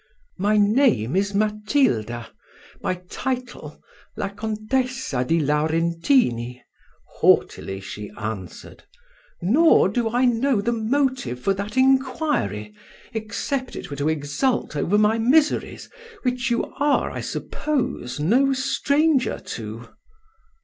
"My name is Matilda; my title La Contessa di Laurentini," haughtily she answered; "nor do I know the motive for that inquiry, except it were to exult over my miseries, which you are, I suppose, no stranger to."